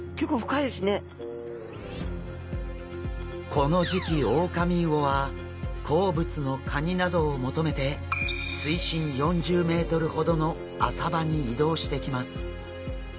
この時期オオカミウオは好物のカニなどを求めて水深４０ｍほどの浅場に移動してきます。